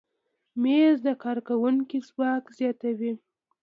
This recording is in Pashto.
مېز د کارکوونکي ځواک زیاتوي.